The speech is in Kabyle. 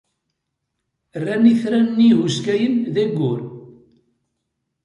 Ran itran-nni ihuskayen ed wayyur.